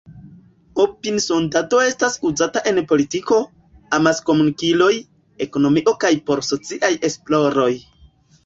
Opini-sondado estas uzata en politiko, amas-komunikiloj, ekonomio kaj por sociaj esploroj.